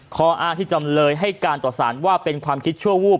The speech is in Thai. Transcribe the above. ข้ออ้างที่จำเลยให้การต่อสารว่าเป็นความคิดชั่ววูบ